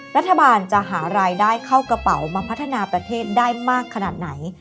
รัฐบาลจะหารายได้เข้ากระเป๋ามาพัฒนาประเทศได้มากขนาดไหน